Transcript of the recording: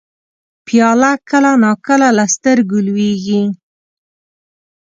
پیاله کله نا کله له سترګو لوېږي.